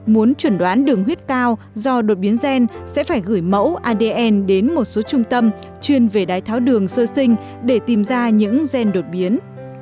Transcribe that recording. muốn chuẩn đoán đường huyết cao do đột biến gen sẽ phải gửi mẫu adn đến một số trung tâm chuyên về đái tháo đường sơ sinh để tìm ra những gen đột biến